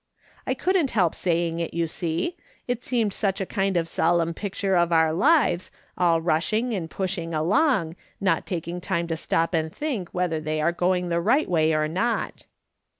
I couldn't help saying it, you see. It seemed such a kind of solemn picture of our lives, all rushing and pushing along, not taking time to stop and think whether they are going the right way or not.